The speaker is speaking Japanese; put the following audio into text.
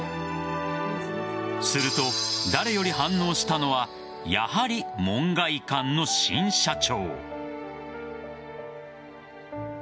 すると、誰より反応したのはやはり門外漢の新社長。